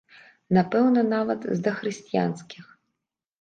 Напэўна, нават з дахрысціянскіх.